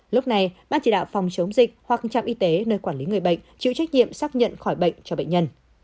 lúc này ban chỉ đạo phòng chống dịch hoặc trạm y tế nơi quản lý người bệnh chịu trách nhiệm xác nhận khỏi bệnh cho bệnh nhân